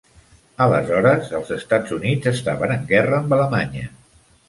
Aleshores, els Estats Units estaven en guerra amb Alemanya.